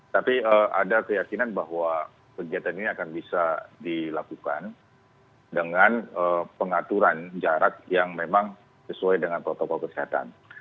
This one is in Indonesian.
tapi ada keyakinan bahwa kegiatan ini akan bisa dilakukan dengan pengaturan jarak yang memang sesuai dengan protokol kesehatan